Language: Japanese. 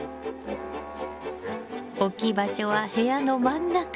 置き場所は部屋の真ん中。